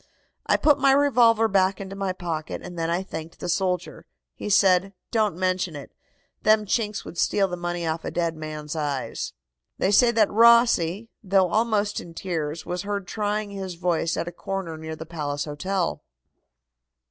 I put my revolver back into my pocket, and then I thanked the soldier. He said: 'Don't mention it. Them Chinks would steal the money off a dead man's eyes.'" They say that Rossi, though almost in tears, was heard trying his voice at a corner near the Palace Hotel.